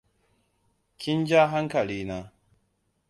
Kin ja hankali na.